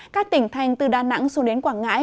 các tỉnh thành từ đà nẵng xuống đến quảng ngãi